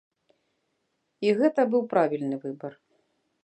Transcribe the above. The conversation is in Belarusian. І гэта быў правільны выбар.